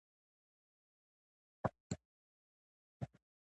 غږ باید په سم ډول ووځي.